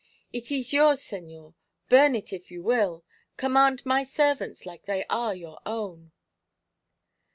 It ees yours, señor, burn it if you will. Command my servants like they are your own."